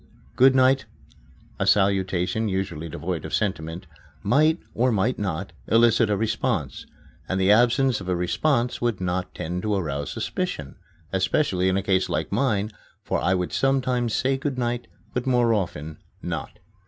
"Good night" a salutation usually devoid of sentiment might, or might not, elicit a response, and the absence of a response would not tend to arouse suspicion especially in a case like mine, for I would sometimes say "good night," but more often not.